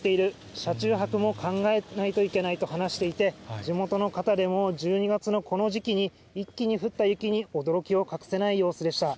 車中泊も考えないといけないと話していて、地元の方でも１２月のこの時期に、一気に降った雪に驚きを隠せない様子でした。